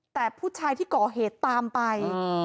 แต่ผู้ชายที่ก่อเหตุตามไป